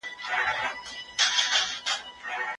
هر انسان د خپل شخصیت د خوندیتوب حق لري.